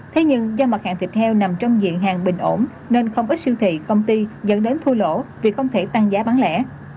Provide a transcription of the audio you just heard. thế nhưng do mặt hàng thịt heo nằm trong diện hàng bình ổn nên không ít siêu thị công ty dẫn đến thua lỗ vì không thể tăng giá bán lẻ